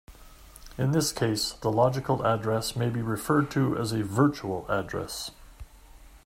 In this case, the logical address may be referred to as a virtual address.